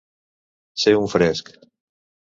Ser un fresc.